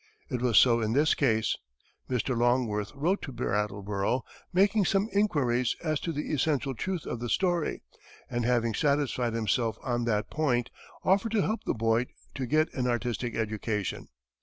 It was so in this case. Mr. Longworth wrote to Brattleboro, making some inquiries as to the essential truth of the story, and having satisfied himself on that point, offered to help the boy to get an artistic education.